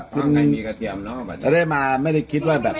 คุณได้มาไม่ได้คิดว่าแบบ